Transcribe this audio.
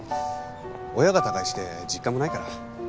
親が他界して実家もないから。